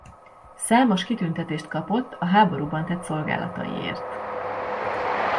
Számos kitüntetést kapott a háborúban tett szolgálataiért.